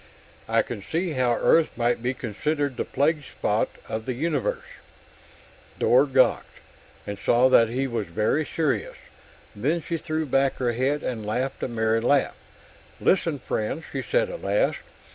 I can see how Earth might be considered the plague spot of the universe...." Dor gawked, and saw that he was very serious. Then she threw back her head and laughed a merry laugh. "Listen, friend," she said at last.